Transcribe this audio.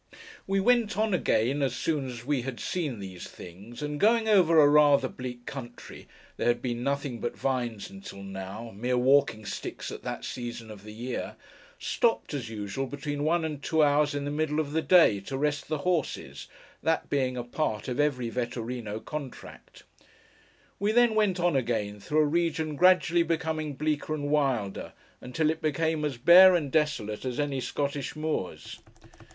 We went on again, as soon as we had seen these things, and going over a rather bleak country (there had been nothing but vines until now: mere walking sticks at that season of the year), stopped, as usual, between one and two hours in the middle of the day, to rest the horses; that being a part of every Vetturíno contract. We then went on again, through a region gradually becoming bleaker and wilder, until it became as bare and desolate as any Scottish moors.